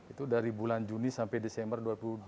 itu dari bulan juni sampai desember dua ribu dua puluh